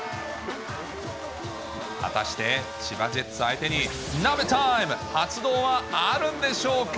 果たして千葉ジェッツ相手に、ナベタイム発動はあるんでしょうか。